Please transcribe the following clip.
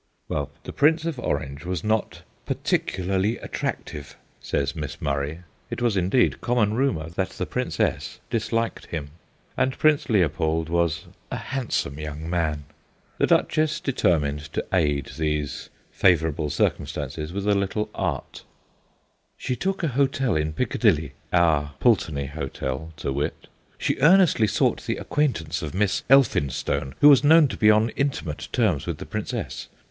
Well, the Prince of Orange was not ' particularly attractive/ says Miss Murray it was indeed common rumour that the Prin cess disliked him and Prince Leopold was 'a handsome young man.' The Duchess deter AN EFFECT OF CHAMPAGNE 147 mined to aid these favourable circumstances with a little art. 'She took a hotel in Piccadilly,' our Pulteney Hotel, to wit, ' she earnestly sought the acquaintance of Miss Elphinstone, who was known to be on intimate terms with the Princess.